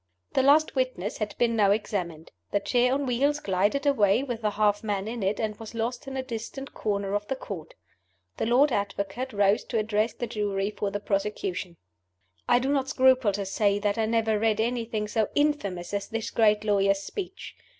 The last witness had been now examined. The chair on wheels glided away with the half man in it, and was lost in a distant corner of the Court. The Lord Advocate rose to address the Jury for the prosecution. I do not scruple to say that I never read anything so infamous as this great lawyer's speech.